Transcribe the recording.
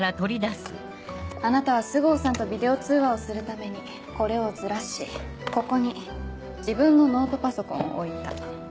あなたは須郷さんとビデオ通話をするためにこれをズラしここに自分のノートパソコンを置いた。